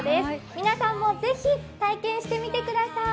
皆さんもぜひ体験してみてください。